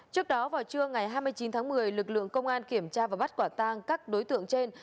trước đó vào trưa ngày hai mươi chín tháng một mươi lực lượng công an kiểm tra và bắt quả tang các đối tượng trên